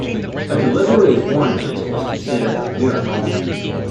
A delivery of oranges was considered "a miracle".